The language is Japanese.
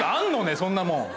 そんなもん。